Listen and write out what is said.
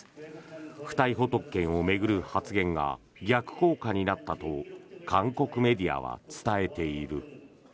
不逮捕特権を巡る発言が逆効果になったと韓国メディアは伝えている。